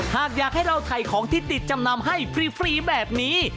หากอยากให้เราถ่ายของที่ติดจำนำให้ฟรีแบบนี้